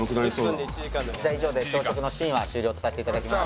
じゃあ以上で朝食のシーンは終了とさせて頂きます。